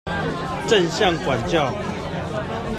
正向管教